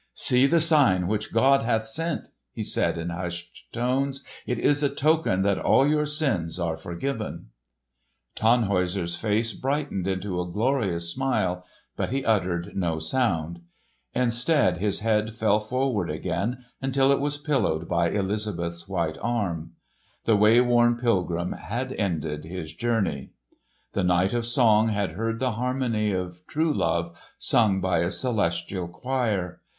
"See the sign which God hath sent!" he said in hushed tones. "It is a token that all your sins are forgiven." Tannhäuser's face brightened into a glorious smile, but he uttered no sound. Instead, his head fell forward again until it was pillowed by Elizabeth's white arm. The way worn pilgrim had ended his journey. The Knight of Song had heard the harmony of true love sung by a celestial choir.